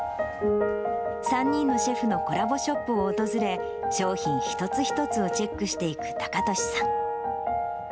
３人のシェフのコラボショップを訪れ、商品一つ一つをチェックしていく隆敏さん。